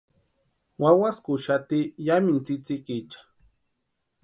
Wawaskuxati yamintu tsïtsïkicha.